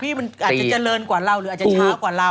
มันอาจจะเจริญกว่าเราหรืออาจจะช้ากว่าเรา